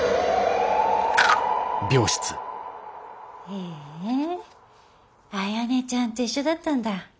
へえあやねちゃんと一緒だったんだ。